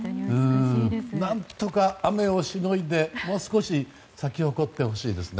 何とか雨をしのいで、もう少し咲き誇ってほしいですね。